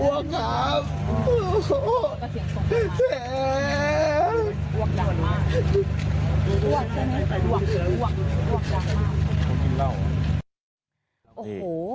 โอ้โห